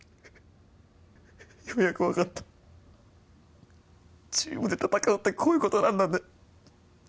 ようやく分かったチームで戦うってこういうことなんだね